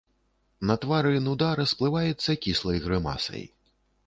На твары нуда расплываецца кіслай грымасай.